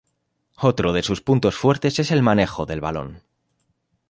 Otro de sus puntos fuertes es el manejo del balón.